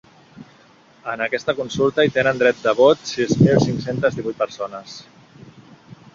En aquesta consulta hi tenen dret de vot sis mil cinc-cents divuit persones.